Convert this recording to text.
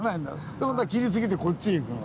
で今度は切りすぎてこっちへ行くのよ。